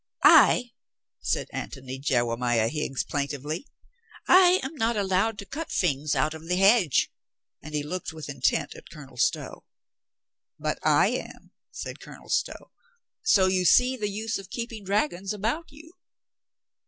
"I," said Antony Jewemiah Higgs plaintively, "I am not allowed to cut fings out of the hedge," and he looked with intent at Colonel Stow. "But I am," said Colonel Stow, "so you see the use of keeping dragons about you."